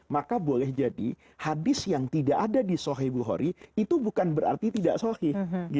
maka boleh jadi hadis yang tidak ada di sohih bukhori itu bukan berarti tidak sohih